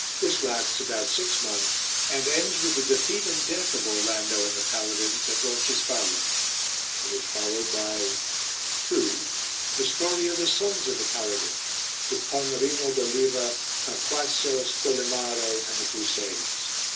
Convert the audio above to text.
This lasts about six months and ends with the defeat and death of Orlando and the paladins at Roncisvalle. It is followed by II. The Story of the Sons of the Paladins with Palmerino d'Oliva, Tarquasso, Scolimmaro and the crusades.